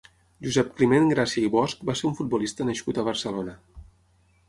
Josep-Climent Gràcia i Bosch va ser un futbolista nascut a Barcelona.